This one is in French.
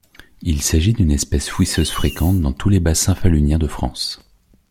Il s'agit d'une espèce fouisseuse fréquente dans tous les bassins faluniens de France.